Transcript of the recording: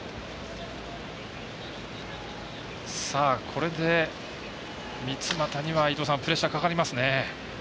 これで三ツ俣にはプレッシャーかかりますね。